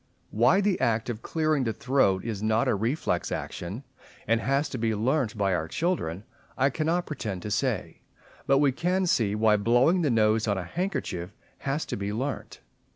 Why the act of clearing the throat is not a reflex action, and has to be learnt by our children, I cannot pretend to say; but we can see why blowing the nose on a handkerchief has to be learnt.